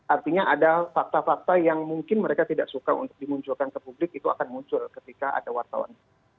artinya ada fakta fakta yang mungkin mereka tidak suka untuk dimunculkan ke publik itu akan muncul ketika ada wartawan